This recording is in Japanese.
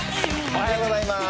おはようございます。